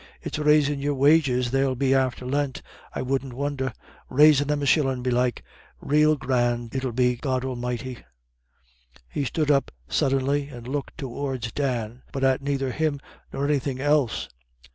It's raisin' your wages they'll be after Lent, I wouldn't won'er, raisin' them a shillin' belike rael grand it'ill be God Almighty!" He stood up suddenly and looked towards Dan, but at neither him nor anything else.